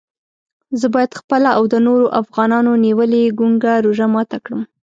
زه باید خپله او د نورو افغانانو نیولې ګونګه روژه ماته کړم.